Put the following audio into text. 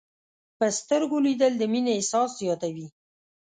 په سترګو لیدل د مینې احساس زیاتوي